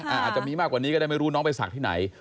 อาจจะมีมากกว่านี้ก็ได้ไม่รู้น้องไปศักดิ์ที่ไหน